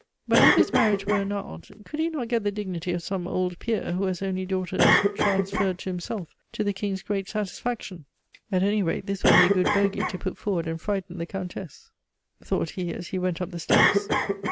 But if his marriage were annulled, could he not get the dignity of some old peer who has only daughters transferred to himself, to the King's great satisfaction? At any rate this will be a good bogey to put forward and frighten the Countess," thought he as he went up the steps.